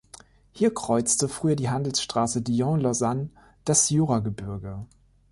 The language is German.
Hier kreuzte früher die Handelsstraße Dijon-Lausanne das Jura-Gebirge.